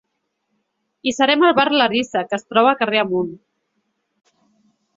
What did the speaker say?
I serem al Bar Larissa, que es troba carrer amunt.